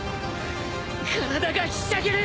体がひしゃげる！